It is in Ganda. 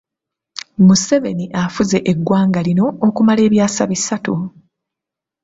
Museveni afuze eggwanga lino okumala ebyasa bisatu.